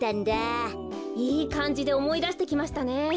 いいかんじでおもいだしてきましたね。